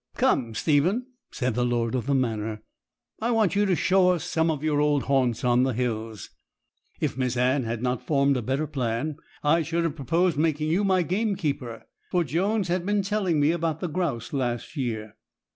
'Come, Stephen,' said the lord of the manor, 'I want you to show us some of your old haunts on the hills. If Miss Anne had not formed a better plan, I should have proposed making you my gamekeeper; for Jones has been telling me about the grouse last year.